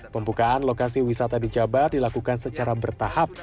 pembukaan lokasi wisata di jabar dilakukan secara bertahap